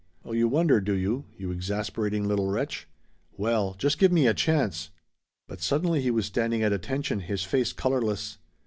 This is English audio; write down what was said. "Oh you wonder, do you you exasperating little wretch! Well just give me a chance " But suddenly he was standing at attention, his face colorless.